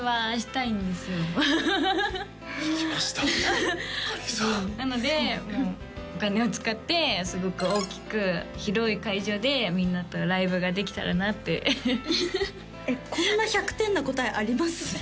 かりんさんなのでもうお金を使ってすごく大きく広い会場でみんなとライブができたらなってこんな１００点な答えあります？